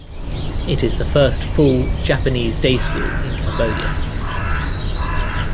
It is the first full Japanese day school in Cambodia.